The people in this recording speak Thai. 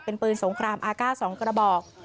เป็นปืนสงครามอากาศ๒กระบอก